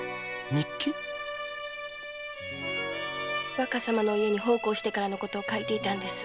若様の家に奉公してからの事を書いていたんです